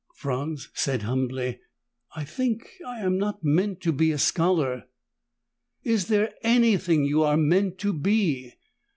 Franz said humbly, "I think I am not meant to be a scholar." "Is there anything you are meant to be?